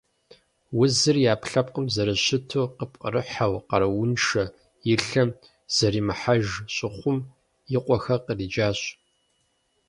Узыр и ӏэпкълъэпкъым зэрыщыту къыпкърыхьэу, къарууншэ, и лъэм зэримыхьэж щыхъум, и къуэхэр къриджащ.